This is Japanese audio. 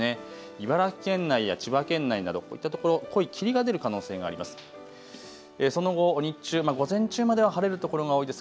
茨城県内や千葉県内などこういったところ濃い霧が出る可能性があります。